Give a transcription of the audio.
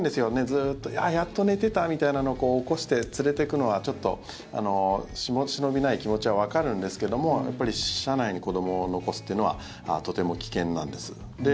ずっとやっと寝たみたいなのを起こして連れてくのはちょっと忍びない気持ちはわかるんですけどもやっぱり車内に子どもを残すっていうのはとても危険なんです。